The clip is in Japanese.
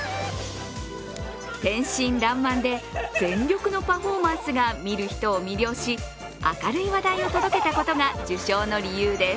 天真らんまんで全力のパフォーマンスが見る人を魅了し、明るい話題を届けたことが受賞の理由です。